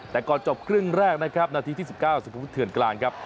แต่ก่อนจบครึ่งแรกนะครับนาทีที่สิบเก้าสุภาพุทธเถือนกลางครับ